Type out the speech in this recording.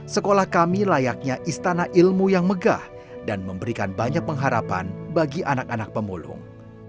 sekolah kami layaknya istana ilmu yang megah dan memberikan banyak pengharapan bagi anak anak pemulung